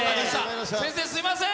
先生、すみません。